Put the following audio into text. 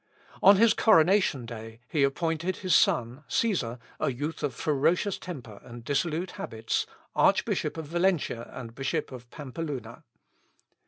On his coronation day, he appointed his son Cæsar, a youth of ferocious temper and dissolute habits, Archbishop of Valentia and Bishop of Pampeluna.